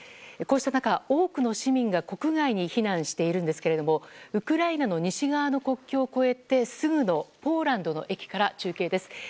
こうした中、多くの市民が国外に避難しているんですけれどもウクライナの西側の国境を越えてすぐのポーランドの駅から中継です。